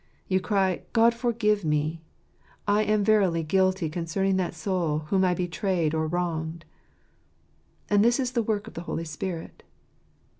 You cry, " God forgive me ! I am verily guilty concerning that soul whom I betrayed or wronged." And this is the work of the Holy Spirit.